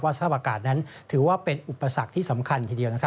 ว่าทรัพย์อากาศนั้นถือว่าเป็นอุปสรรคที่สำคัญทีเดียวนะครับ